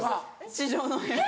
師匠の部屋。